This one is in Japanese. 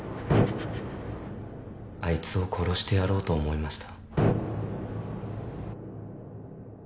あいつを殺してやろうと思いました